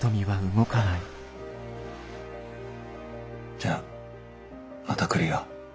じゃあまた来るよ。